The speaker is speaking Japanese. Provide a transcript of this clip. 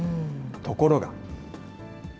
ところが。